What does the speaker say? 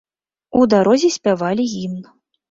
У дарозе спявалі гімн.